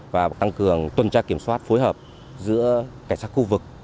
và tăng cường tuần tra kiểm soát phối hợp giữa cảnh sát khu vực